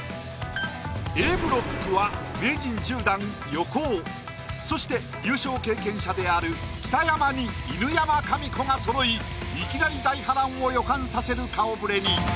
Ａブロックは名人１０段横尾そして優勝経験者である北山に犬山紙子がそろいいきなり大波乱を予感させる顔ぶれに。